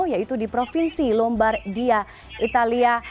yaitu di provinsi lombardia italia